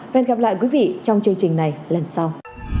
và hẹn gặp lại quý vị trong chương trình này lần sau